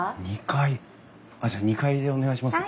２階じゃあ２階でお願いします。